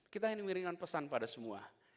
kita ingin mengirimkan pesan pada semua